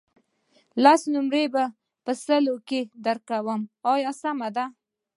لس نمرې به په سلو کې درکړم آیا سمه ده.